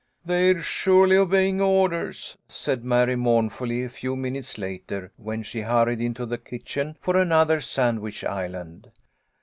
"They're surely obeying orders," said Mary, mournfully, a few minutes later, when she hurried into the kitchen for another Sandwich Island.